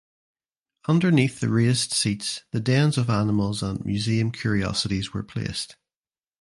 Underneath the raised seats the dens of animals and museum curiosities were placed.